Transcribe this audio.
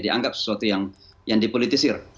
dianggap sesuatu yang dipolitisir